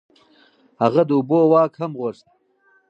هغه د اوبو واک هم غوښت.